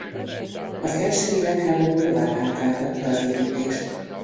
Az első világháború tovább hátráltatta az építést.